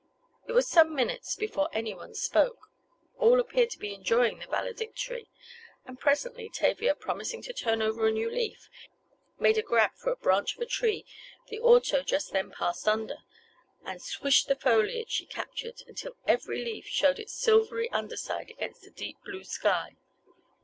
It was some minutes before any one spoke. All appeared to be enjoying the "valedictory," and presently Tavia, promising to "turn over a new leaf," made a grab for a branch of a tree the auto just then passed under, and swished the foliage she captured until every leaf showed its silvery under side against the deep blue sky.